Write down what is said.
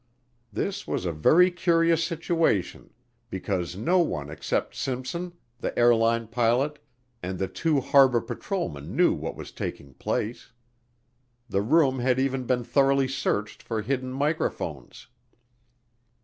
This was a very curious situation because no one except Simpson, the airline pilot, and the two harbor patrolmen knew what was taking place. The room had even been thoroughly searched for hidden microphones.